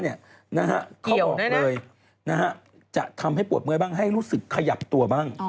เขาบอกเลยจะทำให้ปวดเมื่อยบ้างให้รู้สึกขยับตัวบ้าง